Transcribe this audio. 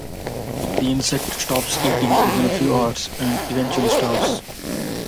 The insect stops eating within a few hours and eventually starves.